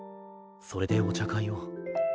それでお茶会を。